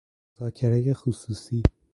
مذاکره خصوصی